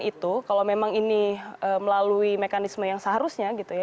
itu kalau memang ini melalui mekanisme yang seharusnya gitu ya